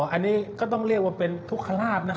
อันนี้ก็ต้องเรียกว่าเป็นทุกขลาบนะครับ